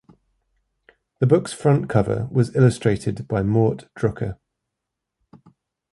The book's front cover was illustrated by Mort Drucker.